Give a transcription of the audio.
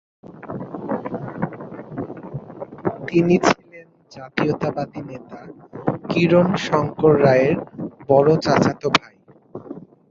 তিনি ছিলেন জাতীয়তাবাদী নেতা কিরণ শঙ্কর রায়ের বড় চাচাত ভাই।